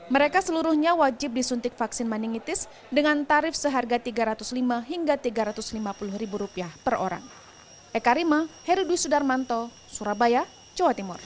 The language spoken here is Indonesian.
mereka seluruhnya wajib disuntik vaksin meningitis dengan tarif seharga rp tiga ratus lima hingga rp tiga ratus lima puluh per orang